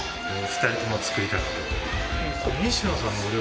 ２人とも作りたくてえっ？